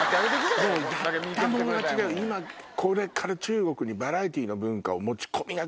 これから中国にバラエティーの文化を持ち込みな。